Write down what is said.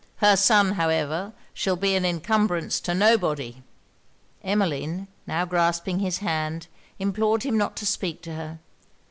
'Her son, however, shall be an incumbrance to nobody.' Emmeline now grasping his hand, implored him not to speak to her.